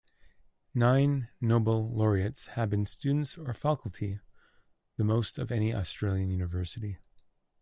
Nine Nobel laureates have been students or faculty, the most of any Australian university.